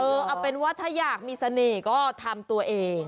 เอาเป็นว่าถ้าอยากมีเสน่ห์ก็ทำตัวเอง